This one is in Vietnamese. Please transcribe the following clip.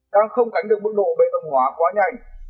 đang không cánh được mức độ bê tông hóa quá nhanh